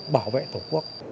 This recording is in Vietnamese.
bảo vệ thổ quốc